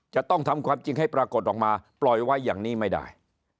จะต้องทำความจริงให้ปรากฏออกมาปล่อยไว้อย่างนี้ไม่ได้